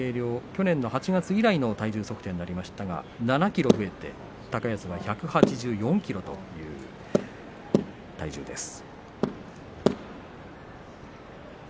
去年８月以来の体重測定になりましたが７ｋｇ増えて高安は１８４ｋｇという体重です。